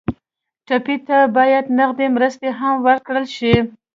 ټپي ته باید نغدې مرستې هم ورکړل شي.